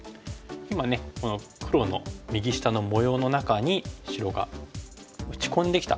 今ねこの黒の右下の模様の中に白が打ち込んできた場面ですね。